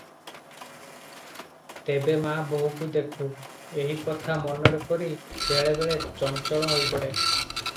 ତେବେ ମା ବୋହୁକୁ ଦେଖୁ, ଏହି କଥା ମନରେ କରି ବେଳେ ବେଳେ ଚଞ୍ଚଳ ହୋଇପଡେ ।